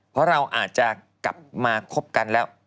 เพราะเราอาจจะกลับมาคบกันแล้ว